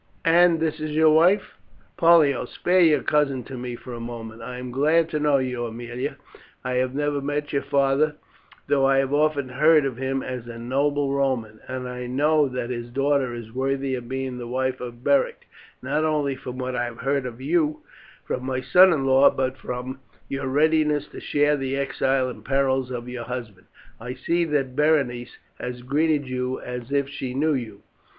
And this is your wife? Pollio, spare your cousin to me for a moment. I am glad to know you, Aemilia. I never met your father, though I have often heard of him as a noble Roman, and I know that his daughter is worthy of being the wife of Beric, not only from what I have heard of you from my son in law, but from your readiness to share the exile and perils of your husband. I see that Berenice has greeted you as if she knew you.